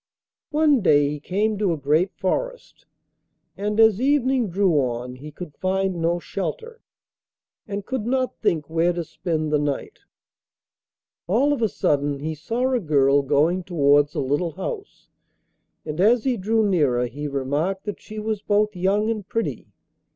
One day he came to a great forest, and as evening drew on he could find no shelter, and could not think where to spend the night. All of a sudden he saw a girl going towards a little house, and as he drew nearer he remarked that she was both young and pretty.